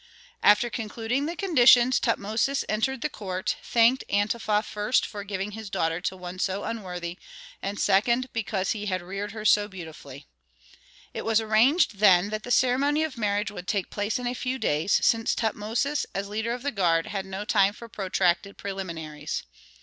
After concluding the conditions Tutmosis entered the court, thanked Antefa first for giving his daughter to one so unworthy, and second, because he had reared her so beautifully. It was arranged then that the ceremony of marriage would take place in a few days, since Tutmosis, as leader of the guard, had no time for protracted preliminaries.